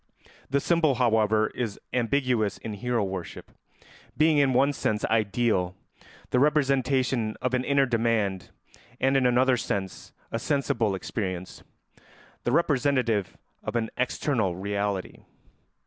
The symbol, however, is ambiguous in hero worship, being in one sense ideal, the representation of an inner demand, and in another sense a sensible experience, the representative of an external reality.